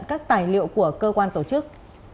các tài liệu của cơ quan tổ chức